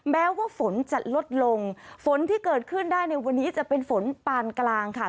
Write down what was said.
แม้ว่าฝนจะลดลงฝนที่เกิดขึ้นได้ในวันนี้จะเป็นฝนปานกลางค่ะ